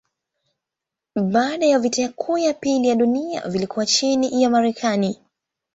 Baada ya vita kuu ya pili ya dunia vilikuwa chini ya Marekani.